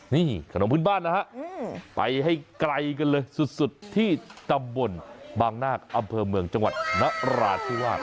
นี่ขนมพื้นบ้านนะฮะไปให้ไกลกันเลยสุดที่ตำบลบางนาคอำเภอเมืองจังหวัดนราธิวาส